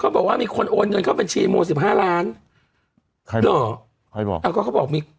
เขาบอกว่ามีคนโอนเงินเข้าบัญชีโมสิบห้าล้านใครบอกแล้วก็เขาบอกมี